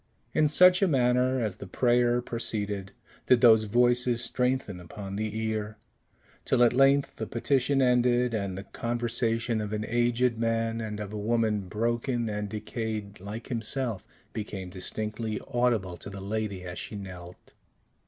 In such a manner, as the prayer proceeded, did those voices strengthen upon the ear; till at length the petition ended, and the conversation of an aged man, and of a woman broken and decayed like himself, became distinctly audible to the lady as she knelt.